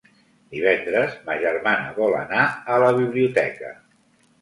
Divendres ma germana vol anar a la biblioteca.